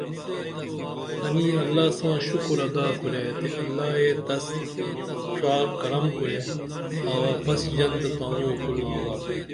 تنی اللہ ساں شکر ادا کُرے تہ اللہ ئےتس ڜا کرم کُرے آں واپس ژنتہ تانو کُل آگا